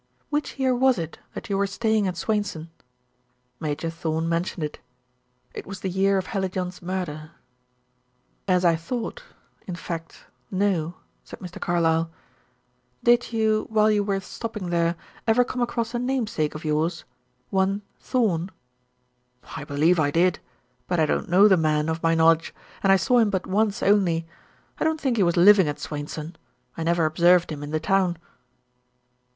Which year was it that you were staying at Swainson?" Major Thorn mentioned it. It was the year of Hallijohn's murder. "As I thought in fact, know," said Mr. Carlyle. "Did you, while you were stopping there, ever come across a namesake of yours one Thorn?" "I believe I did. But I don't know the man, of my knowledge, and I saw him but once only. I don't think he was living at Swainson. I never observed him in the town."